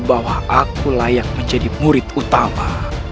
bahwa aku layak menjadi murid utama